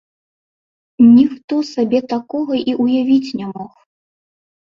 Ніхто сабе такога і ўявіць не мог.